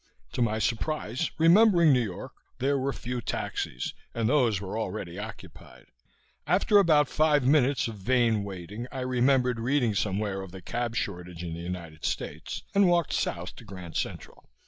To my surprise, remembering New York, there were few taxis and those were already occupied. After about five minutes of vain waiting, I remembered reading somewhere of the cab shortage in the United States, and walked south to Grand Central.